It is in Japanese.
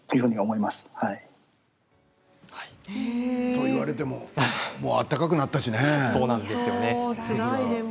と言われてももう暖かくなったしね。